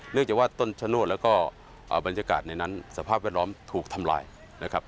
จากว่าต้นชะโนธแล้วก็บรรยากาศในนั้นสภาพแวดล้อมถูกทำลายนะครับ